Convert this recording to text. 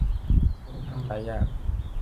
ลุงทำหลายอย่าง